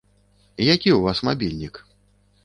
Які ў вас мабільнік?